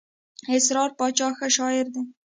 اسرار باچا ښه شاعر دئ.